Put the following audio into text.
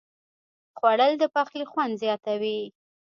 خوړل د پخلي خوند زیاتوي